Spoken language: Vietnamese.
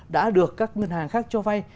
đã được các ngân hàng khác cho vai